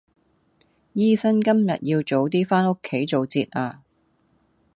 醫生今日要早啲返屋企做節呀